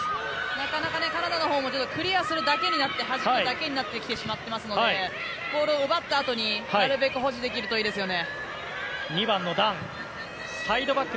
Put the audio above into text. なかなかカナダのほうもクリアするだけになってはじくだけになってきてしまってますのでボールを奪ったあとに、なるべく保持できるといいですよね。